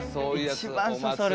一番そそる！